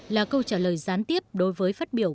là câu trả lời gián tiếp đối với phát biểu